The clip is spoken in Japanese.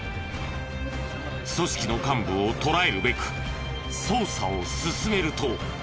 組織の幹部を捕らえるべく捜査を進めると。